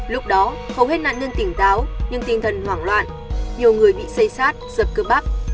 lúc đó hầu hết nạn nương tỉnh táo nhưng tinh thần hoảng loạn nhiều người bị xây xát giật cơ bắp